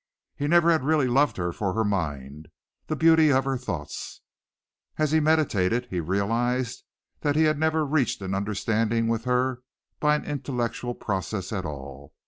He never had really loved her for her mind, the beauty of her thoughts. As he meditated he realized that he had never reached an understanding with her by an intellectual process at all.